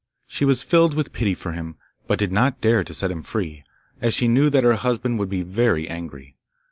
She was filled with pity for him, but did not dare to set him free, as she knew that her husband would be very angry.